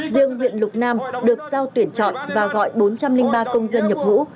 riêng huyện lục nam được giao tuyển chọn và gọi bốn trăm linh ba công dân nhập ngũ